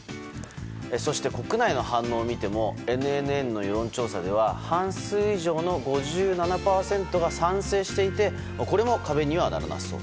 そして、国内の反応を見てもＮＮＮの世論調査でも半数以上の５７％が賛成していてこれも壁にはならなさそう。